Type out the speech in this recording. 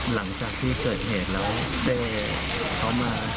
หลังจากที่เกิดเหตุแล้วเป้เขามา